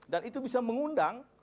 dan itu bisa mengundang